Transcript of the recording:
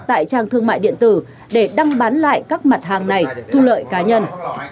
tại trang thương mại điện tử để đăng bán lại các mặt hàng này thu lợi cá nhân